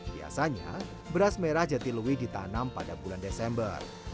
biasanya beras merah jatilui ditanam pada bulan desember